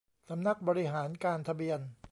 สำนักบริหารการทะเบียน